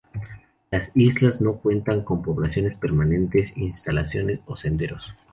Las islas no cuentan con poblaciones permanentes, instalaciones o senderos.